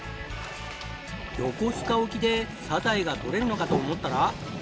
横須賀沖でサザエが採れるのか？と思ったら。